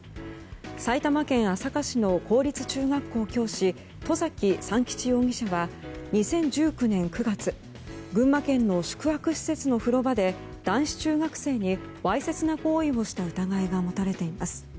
埼玉県朝霞市の公立中学校教師外崎三吉容疑者は２０１９年９月群馬県の宿泊施設の風呂場で男子中学生にわいせつな行為をした疑いが持たれています。